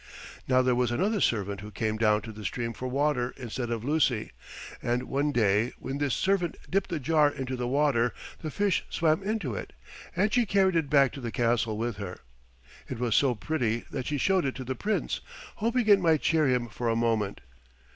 Now there was another servant who came down to the stream for water instead of Lucy, and one day when this servant dipped the jar into the water the fish swam into it, and she carried it back to the castle with her. It was so pretty that she showed it to the Prince, hoping it might cheer him for a moment.